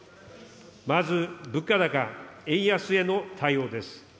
まず、物価高・円安への対応です。